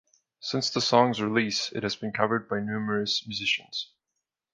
Since the song's release, it has been covered by numerous musicians.